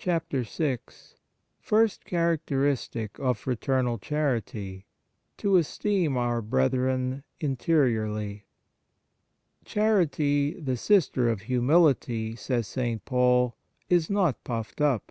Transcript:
VI FIRST CHARACTERISTIC OF FRATERNAL CHARITY To esteem our brethren interiorly " CHARITY, the sister of humility," says St. Paul, " is not puffed up."